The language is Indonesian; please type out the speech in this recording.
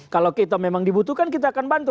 kalau kita memang dibutuhkan kita akan bantu